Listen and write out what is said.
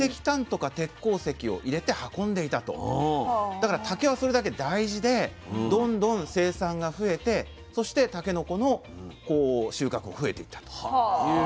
だから竹はそれだけ大事でどんどん生産が増えてそしてたけのこの収穫も増えていったということなんですよね。